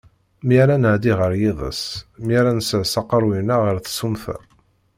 Mi ara nɛedi ɣer yiḍes, mi ara nsers aqerruy-nneɣ ɣer tsumta.